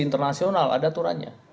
internasional ada aturannya